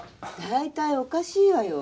大体おかしいわよ